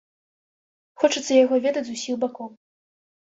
Хочацца яго ведаць з усіх бакоў.